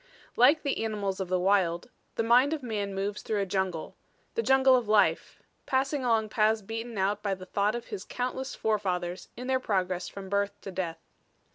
Like the animals of the wild, the mind of man moves through a jungle the jungle of life, passing along paths beaten out by the thought of his countless forefathers in their progress from birth to death.